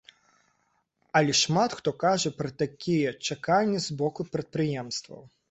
Але шмат хто кажа пра такія чаканні з боку прадпрыемстваў.